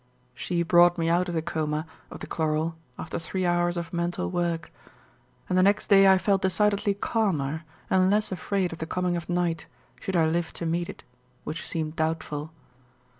She brought me out of the coma of the chloral after three hours of mental work, and the next day I felt decidedly calmer and less afraid of the coming of night, should I live to meet it, which seemed doubtful.